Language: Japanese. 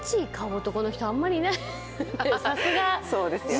うんさすがねえそうですよね